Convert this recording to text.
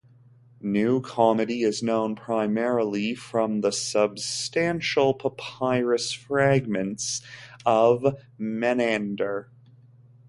New Comedy is known primarily from the substantial papyrus fragments of Menander.